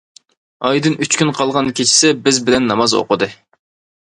ئايدىن ئۈچ كۈن قالغان كېچىسى بىز بىلەن ناماز ئوقۇدى.